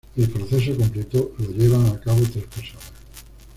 El proceso completo lo llevan a cabo tres personas.